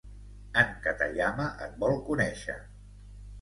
En Katayama et vol conèixer!